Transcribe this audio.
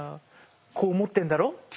こう思ってんだろって。